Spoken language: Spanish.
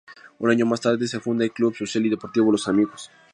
Un año más tarde se funda el Club Social y Deportivo "Los Amigos".